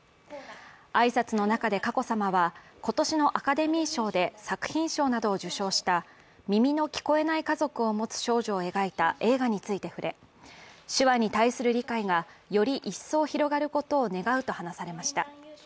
挨拶の中で佳子さまは今年のアカデミー賞で作品賞などを受賞した、耳の聞こえない家族を持つ少女を描いた映画について触れ、手話に対する理解がより一層広がることを願うと話されました。